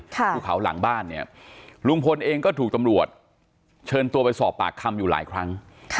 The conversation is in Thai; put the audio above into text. ภูเขาหลังบ้านเนี่ยลุงพลเองก็ถูกตำรวจเชิญตัวไปสอบปากคำอยู่หลายครั้ง